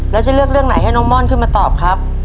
แล้วจะเลือกเรื่องไหนให้น้องม่อนขึ้นมาตอบครับ